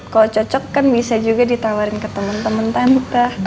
kalau cocok kan bisa juga ditawarin ke temen temen tante